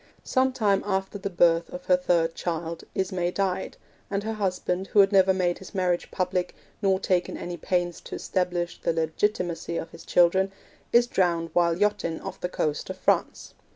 Some time after the birth of her third child, Ismay died, and her husband, who had never made his marriage public, nor taken any pains to establish the legitimacy of his children, is drowned while yachting off the coast of France.